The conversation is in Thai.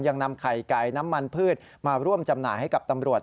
ยังนำไข่ไก่น้ำมันพืชมาร่วมจำหน่ายให้กับตำรวจ